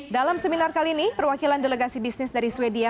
dalam seminar kali ini perwakilan delegasi bisnis dari sweden